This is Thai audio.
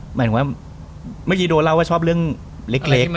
หมายถึงว่าเมื่อกี้โดเล่าว่าชอบเรื่องเล็ก